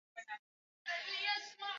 Armenization ya wakati mmoja ya kazi ya nchi